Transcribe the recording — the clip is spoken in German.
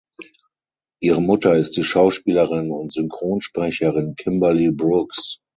Ihre Mutter ist die Schauspielerin und Synchronsprecherin Kimberly Brooks.